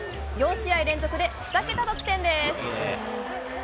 ４試合連続で２桁得点です。